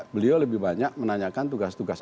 beliau lebih banyak menanyakan tugas tugas